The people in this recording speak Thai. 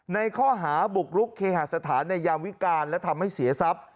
ในข้อหาบุกรุกเคหาสถานในยามวิการและทำให้เสียทรัพย์